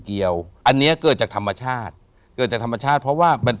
อันเนี้ยเกิดจากธรรมชาติเกิดจากธรรมชาติเพราะว่ามัน